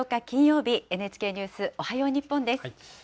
金曜日、ＮＨＫニュースおはよう日本です。